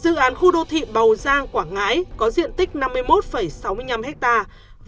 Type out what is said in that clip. dự án khu đô thị bầu giang quảng ngãi có diện tích năm mươi một sáu mươi năm hectare